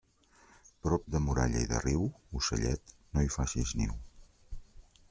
Prop de muralla i de riu, ocellet, no hi faces niu.